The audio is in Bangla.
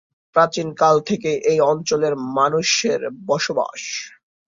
প্রাচীনকাল থেকেই এই অঞ্চলের মানুষের বসবাস।